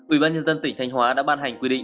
ubnd tỉnh thanh hóa đã ban hành quy định